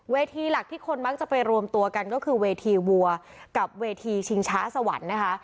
ทีหลักที่คนมักจะไปรวมตัวกันก็คือเวทีวัวกับเวทีชิงช้าสวรรค์นะคะ